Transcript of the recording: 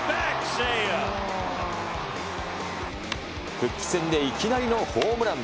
復帰戦でいきなりのホームラン。